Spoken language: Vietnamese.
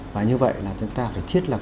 và như vậy là chúng ta phải thiết lập